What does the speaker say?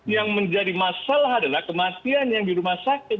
yang menjadi masalah adalah kematian yang di rumah sakit